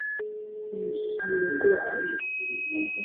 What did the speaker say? Usiogope!